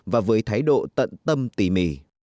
và với thái độ tận tâm tỉ mỉ